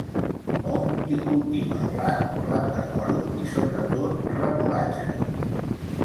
Hom hi cultiva blat, blat de moro i sobretot remolatxes.